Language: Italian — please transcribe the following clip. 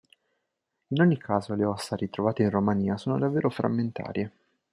In ogni caso le ossa, ritrovate in Romania, sono davvero frammentarie.